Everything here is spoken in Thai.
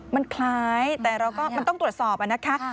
มันคล้ายแต่เราก็มันต้องตรวจสอบนะคะ